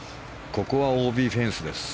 ここはＯＢフェンスです。